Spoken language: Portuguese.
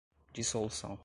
dissolução